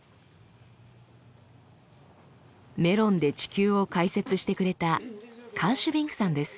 メロンで地球を解説してくれたカーシュビンクさんです。